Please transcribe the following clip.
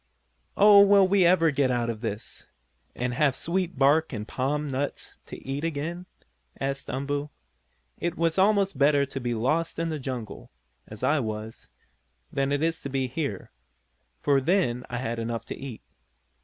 "Oh, will we ever get out of this, and have sweet bark and palm nuts to eat again?" asked Umboo. "It was almost better to be lost in the jungle, as I was, than it is to be here, for then I had enough to eat.